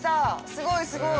すごい、すごい。